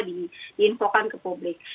di infokan ke publik